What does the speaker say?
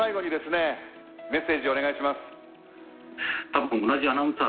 メッセージをお願いします。